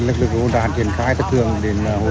lực lượng hỗn hạn triển khai thấp thường đến hộ tục người dân